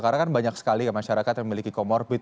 karena kan banyak sekali masyarakat yang memiliki comorbid